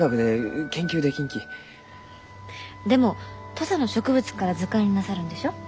でも土佐の植物から図鑑になさるんでしょ？